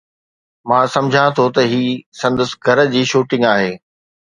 مان سمجهان ٿو ته هي سندس گهر جي شوٽنگ آهي